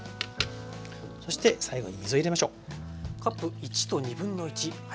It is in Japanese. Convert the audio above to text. そして最後に水を入れましょう。